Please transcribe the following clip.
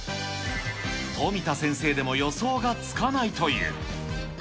富田先生でも予想がつかないという。